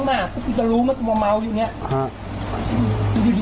ปากกับภูมิปากกับภูมิ